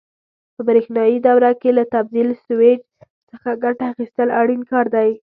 په برېښنایي دوره کې له تبدیل سویچ څخه ګټه اخیستل اړین کار دی.